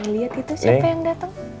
lihat itu siapa yang datang